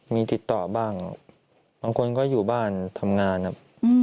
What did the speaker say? มีติดต่อบ้างบางคนก็อยู่บ้านทำงานครับ